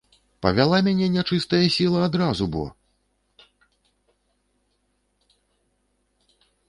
Павяла мяне нячыстая сіла адразу бо!